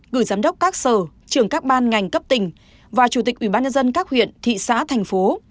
gửi giám đốc các sở trường các ban ngành cấp tỉnh và chủ tịch ủy ban nhân dân các huyện thị xã thành phố